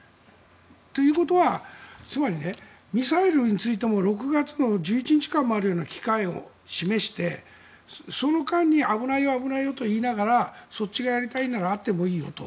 ということは、つまりミサイルについても６月の１１日間もあるような期間を示してその間に危ないよ、危ないよと言いながらそっちがやりたいなら会ってもいいよと。